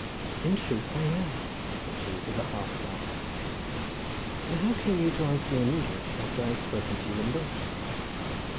"In truth I am," said she, with a half laugh. "And how came you to answer me in English, after I had spoken to you in Welsh?"